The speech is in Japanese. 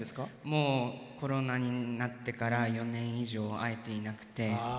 もうコロナになってから４年以上、会えていなくて。